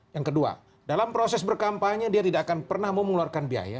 yang kedua dalam proses berkampanye dia tidak akan pernah mau mengeluarkan biaya